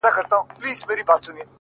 پر دې دنیا سوځم پر هغه دنیا هم سوځمه ـ